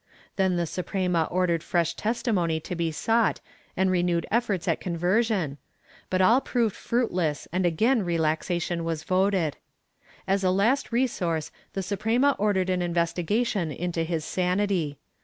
Then the Suprema ordered fresh testimony to be sought and renewed efforts at conversion, but all proved fruitless and again relaxation was voted. As a last resource the Suprema ordered an investigation into his sanity.